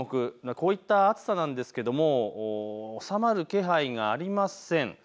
こういった暑さなんですが収まる気配がありません。